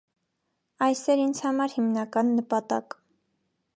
Այս էր ինձ համար հիմնական նպատակ։